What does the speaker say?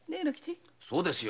そうですよ。